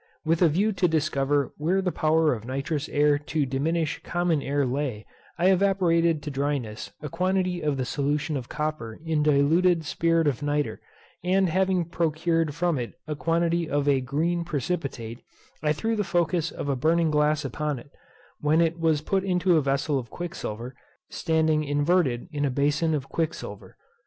With a view to discover where the power of nitrous air to diminish common air lay, I evaporated to dryness a quantity of the solution of copper in diluted spirit of nitre; and having procured from it a quantity of a green precipitate, I threw the focus of a burning glass upon it, when it was put into a vessel of quicksilver, standing inverted in a bason of quicksilver.